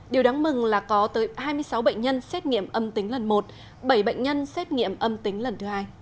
điều đáng mừng là có tới hai mươi sáu bệnh nhân xét nghiệm âm tính lần một bảy bệnh nhân xét nghiệm âm tính lần thứ hai